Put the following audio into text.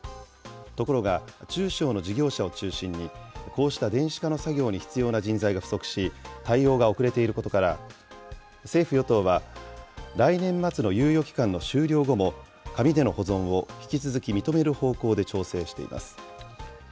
ところが、中小の事業者を中心に、こうした電子化の作業に必要な人材が不足し、対応が遅れていることから、政府・与党は、来年末の猶予期間の終了後も、紙での保存を引き続き認める方向で調整しています。